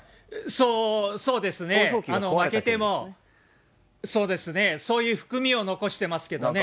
そう、そうですね、負けても、そうですね、そういう含みを残してますけどね。